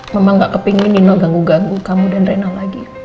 mbak mbak gak kepengen nino ganggu ganggu kamu dan rena lagi